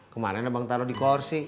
kemarin abang taruh di kursi